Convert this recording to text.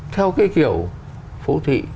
theo cái kiểu phố thị